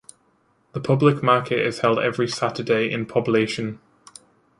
The public market is held every Saturday in Poblacion.